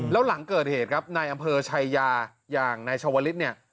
แล้วหลังเกิดเหตุครับนายอำเภอชายาอย่างนายชาวลิศเนี่ย